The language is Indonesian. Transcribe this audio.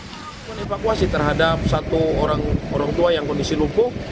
tim berkembang mengevakuasi terhadap satu orang tua yang kondisi lukuh